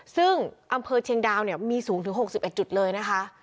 ซึ่งอำเภอเชียงดาวเนี่ยมีสูงถึง๖๑จุดเลยนะคะ